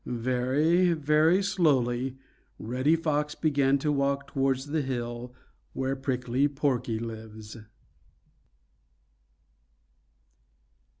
Very, very slowly, Reddy Fox began to walk towards the hill where Prickly Porky lives.